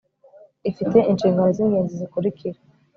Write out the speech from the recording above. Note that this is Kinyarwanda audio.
ifite inshingano z ingenzi zikurikira